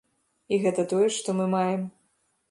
І гэта тое, што мы маем.